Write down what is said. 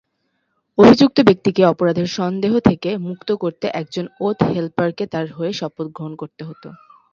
অভিযুক্ত ব্যক্তিকে অপরাধের সন্দেহ থেকে মুক্ত করতে একজন ওথ-হেল্পারকে তার হয়ে শপথ গ্রহণ করতে হত।